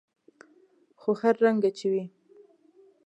خو هر رنګه چې وي.